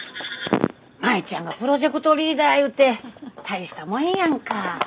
舞ちゃんがプロジェクトリーダーいうて大したもんやんか。